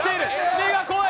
目が怖い！